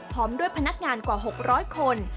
พร้อมด้วยพนักงานกว่า๖๐๐คน